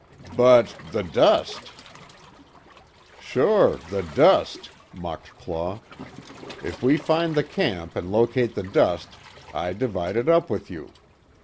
"But, the dust!" "Sure the dust," mocked Claw. "If we find the camp, an' locate the dust, I divide it up with you.